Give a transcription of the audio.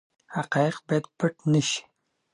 حقایق باید پټ نه سي.